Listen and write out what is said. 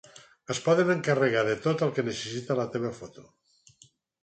Es poden encarregar de tot el que necessita la teva foto.